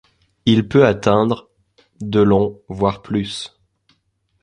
Il peut atteindre de long, voire plus.